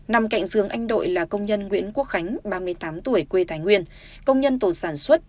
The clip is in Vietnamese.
nằm cạnh giường anh đội là công nhân nguyễn quốc khánh ba mươi tám tuổi quê thái nguyên công nhân tổ sản xuất